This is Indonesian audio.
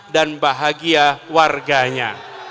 dan bahagia warganya